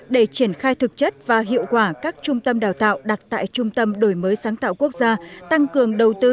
để triển khai thực chất và hiệu quả các trung tâm đào tạo đặt tại trung tâm đổi mới sáng tạo quốc gia tăng cường đầu tư